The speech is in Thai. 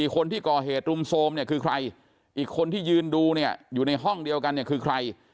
คนที่ก่อเหตุรุมโทรมเนี่ยคือใครอีกคนที่ยืนดูเนี่ยอยู่ในห้องเดียวกันเนี่ยคือใคร